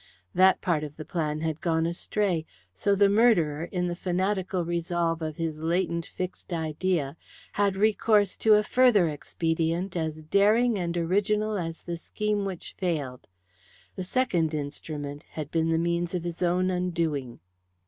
That part of the plan had gone astray, so the murderer, in the fanatical resolve of his latent fixed idea, had recourse to a further expedient as daring and original as the scheme which failed. The second instrument had been the means of his own undoing.